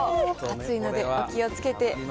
熱いのでお気をつけて。